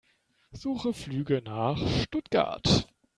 Suche Flüge nach Stuttgart.